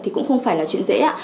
thì cũng không phải là chuyện dễ